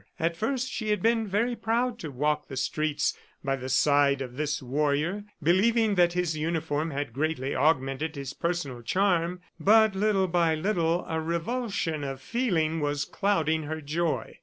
At first she had been very proud to walk the streets by the side of this warrior, believing that his uniform had greatly augmented his personal charm, but little by little a revulsion of feeling was clouding her joy.